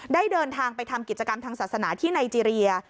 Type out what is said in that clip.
ได้เดินทางไปทำกิจกรรมทางศาสนาที่ไนเจรีย